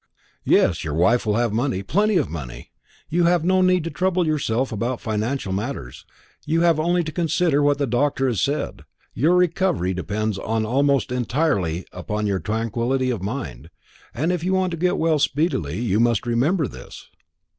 "Yes, your wife will have money, plenty of money. You have no need to trouble yourself about financial matters. You have only to consider what the doctor has said. Your recovery depends almost entirely upon your tranquillity of mind. If you want to get well speedily, you must remember this."